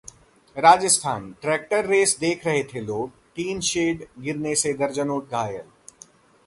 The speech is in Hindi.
राजस्थान: ट्रैक्टर रेस देख रहे थे लोग, टीन शेड गिरने से दर्जनों घायल